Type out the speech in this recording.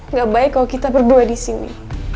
nggak baik kalau kita berdua di sini